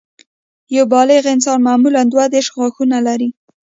یو بالغ انسان معمولاً دوه دیرش غاښونه لري